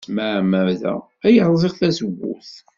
S tmeɛmada ay rẓiɣ tazewwut.